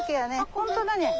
本当だね。